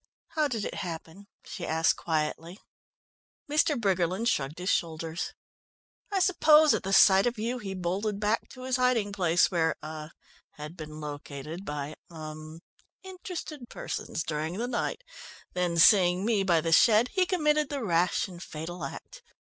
"How did it happen?" she asked quietly. Mr. Briggerland shrugged his shoulders. "I suppose at the sight of you he bolted back to his hiding place where er had been located by er interested persons during the night, then seeing me by the shed he committed the rash and fatal act.